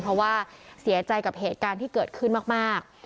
เพราะว่าเสียใจกับเหตุการณ์ที่เกิดขึ้นมาก